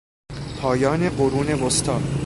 پایان قرون وسطی